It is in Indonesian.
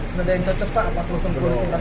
tidak ada yang cocok pak pas lo sembunyi